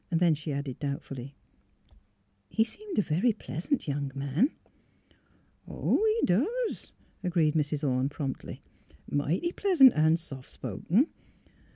Then she added doubtfully, *' He seemed a very pleasant young man." '' He doos," agreed Mrs. Orne, promptly. '* Mighty pleasant an' soft spoken.